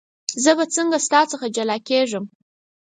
زه به څنګه ستا څخه جلا کېږم.